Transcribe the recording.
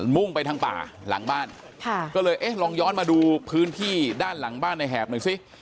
่งไปทางป่าหลังบ้านค่ะก็เลยเอ๊ะลองย้อนมาดูพื้นที่ด้านหลังบ้านในแหบหน่อยสิ